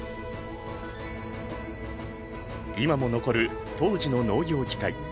今も残る当時の農業機械。